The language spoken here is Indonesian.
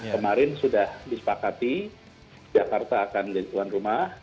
kemarin sudah disepakati jakarta akan menjadi tuan rumah